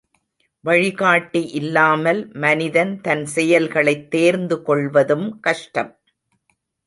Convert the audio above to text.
வழிகாட்டி இல்லாமல் மனிதன் தன் செயல்களைத் தேர்ந்து கொள்வதும் கஷ்டம்.